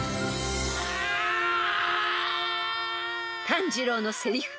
［炭治郎のせりふ］